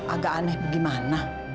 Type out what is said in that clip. agak aneh bagaimana